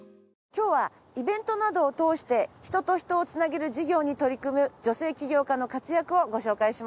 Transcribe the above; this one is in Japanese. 今日はイベントなどを通して人と人を繋げる事業に取り組む女性起業家の活躍をご紹介します。